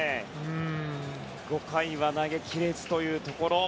５回は投げ切れずというところ。